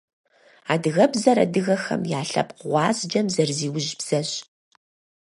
Адыгэбзэр адыгэхэм я лъэпкъ гъуазджэм зэрызиужь бзэщ.